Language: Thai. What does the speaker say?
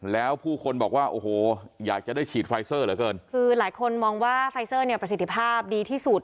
แล้วผู้คนบอกว่าโอ้โหอยากจะได้ฉีดไฟเซอร์เหลือเกินคือหลายคนมองว่าไฟเซอร์เนี่ยประสิทธิภาพดีที่สุด